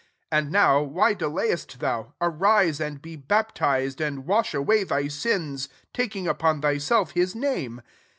16 And now, why delayest thou ? arise, and^ be baptized, and wash away thy sins, taking upon thyself his name.'